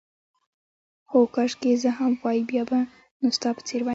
هو، کاشکې زه هم وای، بیا به نو ستا په څېر وای.